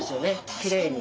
きれいに。